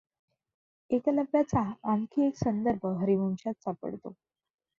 एकलव्याचा आणखी एक संदर्भ हरिवंशात सापडतो.